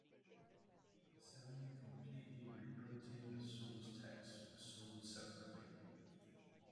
The seven completely reprinting the source texts were sold separately.